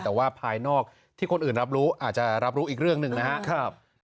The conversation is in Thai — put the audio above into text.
แต่ว่าภายนอกที่คนอื่นรับรู้อาจจะรับรู้อีกเรื่องหนึ่งนะครับ